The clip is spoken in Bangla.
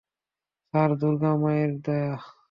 স্যার, দুর্গা মায়ের দয়া।